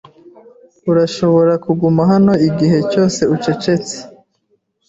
Urashobora kuguma hano igihe cyose ucecetse.